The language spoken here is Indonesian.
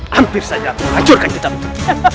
hampir saja aku hancurkan kitab itu